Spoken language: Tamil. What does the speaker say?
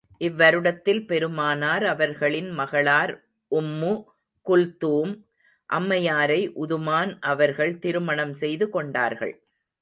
இவ்வருடத்தில் பெருமானார் அவர்களின் மகளார் உம்மு குல்தூம் அம்மையாரை உதுமான் அவர்கள் திருமணம் செய்து கொண்டார்கள்.